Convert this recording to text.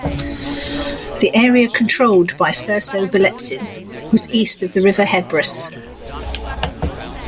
The area controlled by Cersobleptes was east of the river Hebrus.